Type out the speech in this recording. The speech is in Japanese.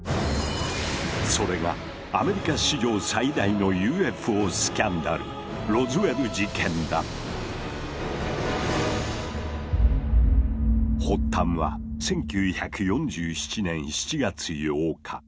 それがアメリカ史上最大のＵＦＯスキャンダル発端は１９４７年７月８日。